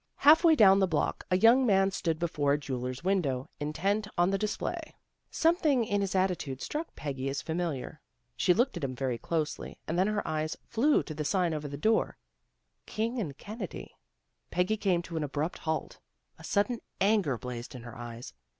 Half way down the block a young man stood before a jeweller's window, intent on the dis play. Something in his attitude struck Peggy as familiar. She looked at him very closely, and then her eyes flew to the sign over the door, King and Kennedy. Peggy came to an abrupt halt. A sudden anger blazed in her eyes.